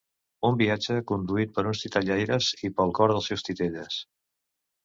Un viatge conduït per uns titellaires i pel cor dels seus titelles.